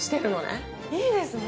いいですね。